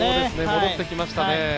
戻ってきましたね。